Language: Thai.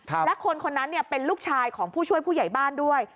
และคนคนนั้นเนี่ยเป็นลูกชายของผู้ช่วยผู้ใหญ่บ้านด้วย